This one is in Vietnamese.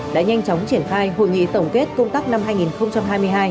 đã nhanh chóng triển khai hội nghị tổng kết công tác năm hai nghìn hai mươi hai